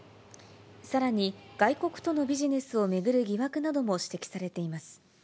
さらに、外国とのビジネスを巡る疑惑なども指摘されています。